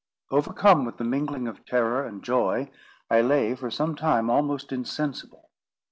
Overcome with the mingling of terror and joy, I lay for some time almost insensible.